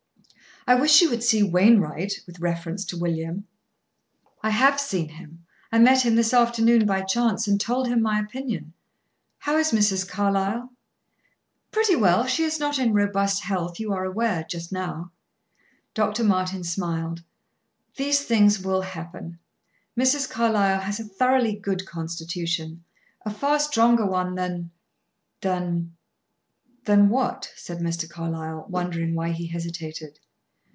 "I wish you would see Wainwright with reference to William." "I have seen him. I met him this afternoon, by chance, and told him my opinion. How is Mrs. Carlyle?" "Pretty well. She is not in robust health, you are aware, just now." Dr. Martin smiled. "These things will happen. Mrs. Carlyle has a thoroughly good constitution; a far stronger one than than " "Than what?" said Mr. Carlyle, wondering why he hesitated.